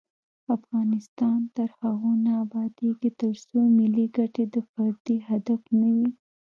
افغانستان تر هغو نه ابادیږي، ترڅو ملي ګټې د فردي هدف نه وي.